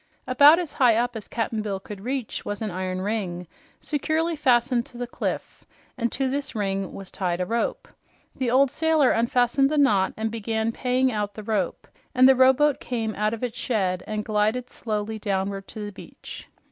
About as high up as Cap'n Bill could reach was an iron ring securely fastened to the cliff, and to this ring was tied a rope. The old sailor unfastened the knot and began paying out the rope, and the rowboat came out of its shed and glided slowly downward to the beach.